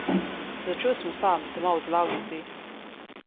Začel sem sam, doma v delavnici.